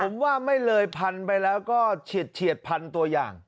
ผมว่าไม่เลยพันไปแล้วก็เฉียดพันตัวอย่าง